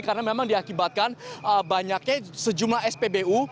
karena memang diakibatkan banyaknya sejumlah spbu